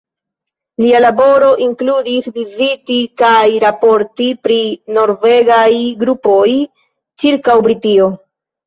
Lia laboro inkludis viziti kaj raporti pri norvegaj grupoj ĉirkaŭ Britio.